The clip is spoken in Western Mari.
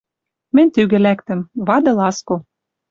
Мӹнь тӱгӹ лӓктӹм. Вады ласко.